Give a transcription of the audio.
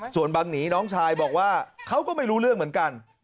ส่วนบังหนีน้องชายบอกว่าเขาก็ไม่รู้เรื่องเหมือนกัน